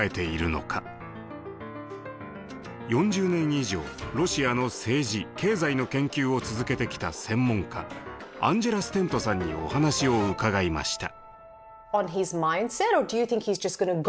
４０年以上ロシアの政治経済の研究を続けてきた専門家アンジェラ・ステントさんにお話を伺いました。